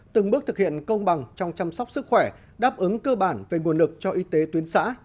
từng bước thực hiện công bằng trong chăm sóc sức khỏe đáp ứng cơ bản về nguồn lực cho y tế tuyến xã